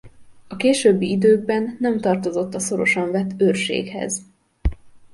A későbbi időkben nem tartozott a szorosan vett Őrséghez.